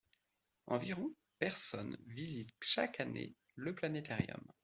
Environ personnes visitent chaque année le planétarium.